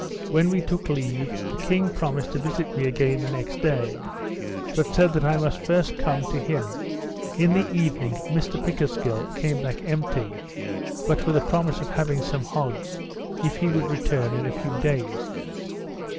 When we took leave, the king promised to visit me again the next day; but said that I must first come to him. In the evening Mr Pickersgill came back empty, but with a promise of having some hogs, if he would return in a few days.